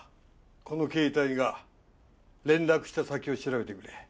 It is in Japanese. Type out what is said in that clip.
この携帯が連絡した先を調べてくれ。